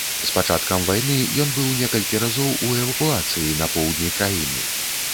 З пачаткам вайны ён быў некалькі разоў у эвакуацыі на поўдні краіны.